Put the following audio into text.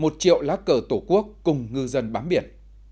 một triệu lá cờ tổ quốc cùng ngư dân bám biển